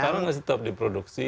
sekarang masih tetap diproduksi